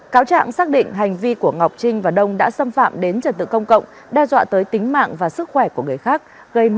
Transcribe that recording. cáo trạng xác định hành vi của ngọc trinh và đông đã xâm phạm đến trật tự công cộng đe dọa tới tính mạng và sức khỏe của người khác gây mất an ninh trật tự xã hội